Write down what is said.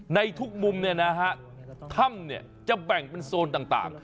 ในทุกมุมเนี่ยนะฮะถ้ำเนี่ยจะแบ่งเป็นโซนต่าง